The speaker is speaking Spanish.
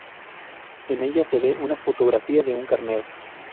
En ella se ve una fotografía de un carnero.